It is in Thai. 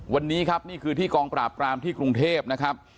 วันนี้ครับนี่คือที่กองปราบปรามที่กรุงเทพนะครับ